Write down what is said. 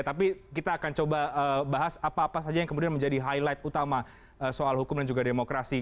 tapi kita akan coba bahas apa apa saja yang kemudian menjadi highlight utama soal hukum dan juga demokrasi